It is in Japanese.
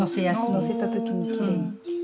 載せた時にきれい。